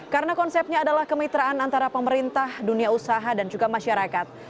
karena konsepnya adalah kemitraan antara pemerintah dunia usaha dan juga masyarakat